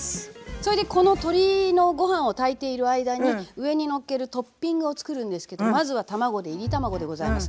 それでこの鶏のご飯を炊いている間に上にのっけるトッピングを作るんですけどまずは卵でいり卵でございます。